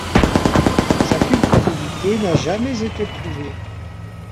Sa culpabilité n'a jamais été prouvée.